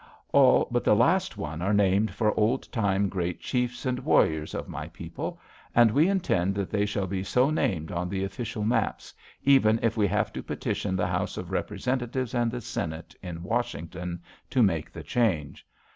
All but the last one were named for old time great chiefs and warriors of my people, and we intend that they shall be so named on the official maps, even if we have to petition the House of Representatives and the Senate, in Washington, to make the change!